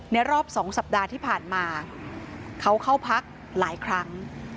รอบ๒สัปดาห์ที่ผ่านมาเขาเข้าพักหลายครั้ง